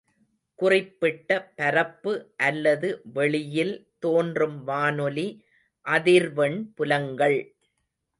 குறிப்பிட்ட பரப்பு அல்லது வெளியில் தோன்றும் வானொலி அதிர்வெண் புலங்கள்.